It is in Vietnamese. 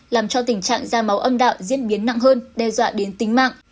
làm cho tình trạng da máu âm đạo diễn biến nặng hơn đe dọa đến tính mạng